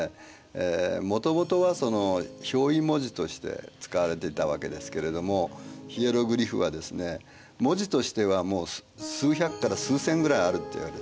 もともとは表意文字として使われていたわけですけれどもヒエログリフはですね文字としては数百から数千ぐらいあるっていわれてる。